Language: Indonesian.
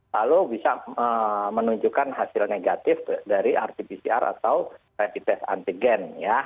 lalu bisa menunjukkan hasil negatif dari rt pcr atau rapid test antigen ya